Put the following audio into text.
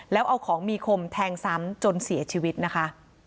แล้วเอาของมีคมแทงซ้ำจนเสียชีวิตนะคะ